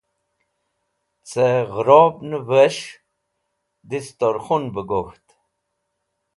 Cẽ ghẽrobnẽves̃h distorkhun bẽ gok̃ht.